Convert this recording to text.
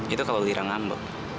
itu kalau lira ngambek